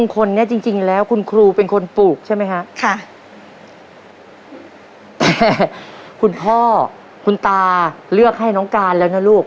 คุณพ่อคุณตาเลือกให้น้องกานแล้วนะลูก